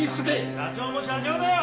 ・社長も社長だよ。